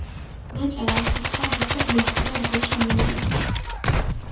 ნაჭარა ართო სქვამას დო დონწყილო რდჷ ქიმინელი.